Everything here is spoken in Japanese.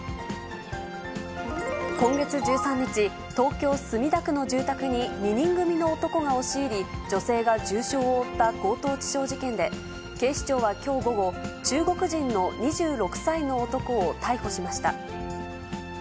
今月１３日、東京・墨田区の住宅に２人組の男が押し入り、女性が重傷を負った強盗致傷事件で、警視庁はきょう午後、中国人の２６歳の男を逮捕しました。